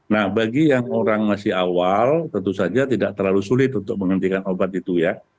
nah bagi yang orang masih awal tentu saja tidak terlalu sulit untuk menghentikan obat itu ya